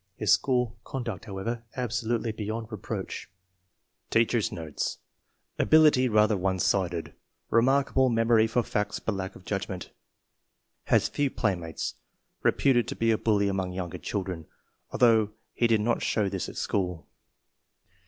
His school conduct, however, absolutely beyond reproach. Teacher's notes. Ability rather one sided. Remark able memory for facts, but lack of judgment. Has few playmates. Reputed to be a bully among younger children, although he did not show this at school.